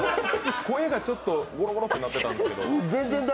声がちょっと、ゴロゴロッとなってたんですけど？